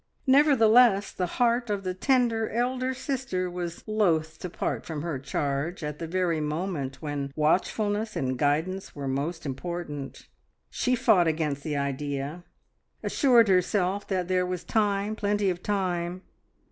Nevertheless, the heart of the tender elder sister was loath to part from her charge at the very moment when watchfulness and guidance were most important. She fought against the idea; assured herself that there was time, plenty of time.